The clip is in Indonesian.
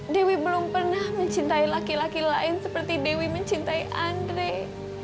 dewi belum pernah mencintai laki laki lain seperti dewi mencintai andre